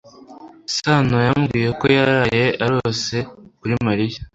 sano yambwiye ko yaraye arose kuri mariya